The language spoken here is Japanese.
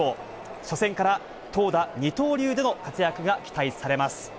初戦から投打二刀流での活躍が期待されます。